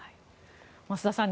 増田さん